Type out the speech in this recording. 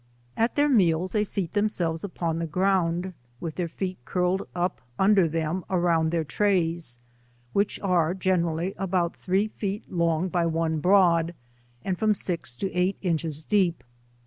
At their meals they seat themselves upon the ground, with their feet curled up under them, around their trays, which are generally about three feet long by one broad, and from six to eight inches deep.